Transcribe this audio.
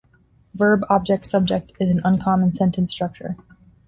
Verb-object-subject is an uncommon sentence structure.